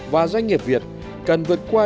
và doanh nghiệp việt cần vượt qua những kế hoạch